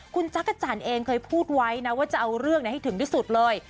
คุณจักรจันทร์เองเคยพูดไว้นะว่าจะเอาเรื่องให้ถึงที่สุดเลย